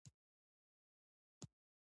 مالوماتي ټکنالوژي سره ورځني کارونه اسانه کېږي.